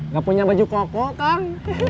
gak punya baju koko kang